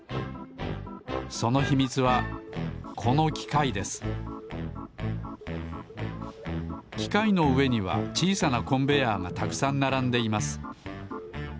そのひみつはこのきかいですきかいのうえにはちいさなコンベヤーがたくさんならんでいます。